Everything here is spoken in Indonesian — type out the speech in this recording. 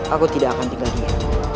aku tidak akan tinggal diam